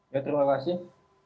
ya terima kasih